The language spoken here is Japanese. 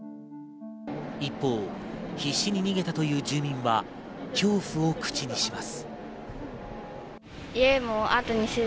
一方、必死に逃げたという住民は、恐怖を口にします。